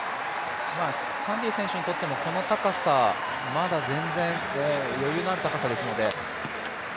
サンディ選手にとってはこの高さまだ全然余裕のある高さですので。